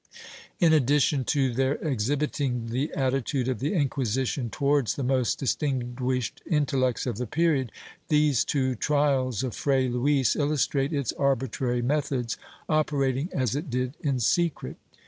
In addition to their exhibiting the attitude of the Inquisition towards the most distinguished intellects of the period, these two trials of Fray Luis illustrate its arbitrary methods, operating as it did in secret.